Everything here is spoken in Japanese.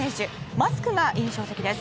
マスクが印象的です。